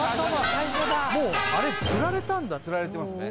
最初だけもうあれつられたんだつられてますね